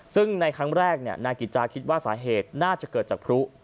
ซึ่งในครั้งแรกนายกิจจาคิดว่าสาเหตุน่าจะเกิดจากพลุ